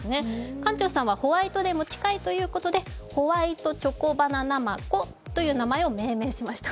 館長さんはホワイトデーも近いということで、ホワイトチョコバナナマコという名前を命名しました。